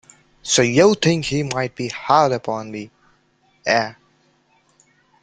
So you think he might be hard upon me, eh?